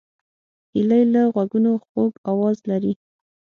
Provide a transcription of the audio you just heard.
هیلۍ له غوږونو خوږ آواز لري